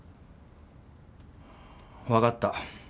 分かった。